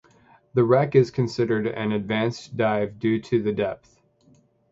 The wreck is considered an advanced dive due to the depth.